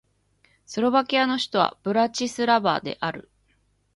スロバキアの首都はブラチスラバである